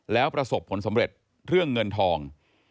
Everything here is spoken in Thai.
แล้วประสบผลสำเร็จเรื่องเงินทอง